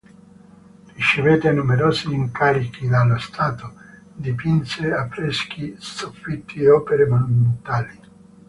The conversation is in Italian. Ricevette numerosi incarichi dallo Stato, dipinse affreschi, soffitti e opere monumentali.